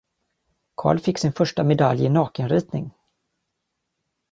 Carl fick sin första medalj i nakenritning.